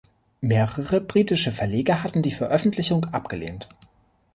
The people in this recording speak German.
Mehrere britische Verleger hatten die Veröffentlichung abgelehnt.